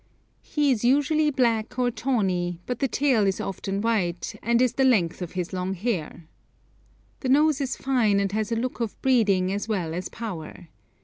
He is usually black or tawny, but the tail is often white, and is the length of his long hair. The nose is fine and has a look of breeding as well as power.